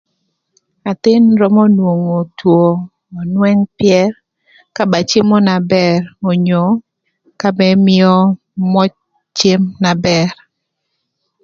Athïn römö nwongo two önwëng pyër ka ba cemo na bër onyo ka ba ëmïö möc cem na bër.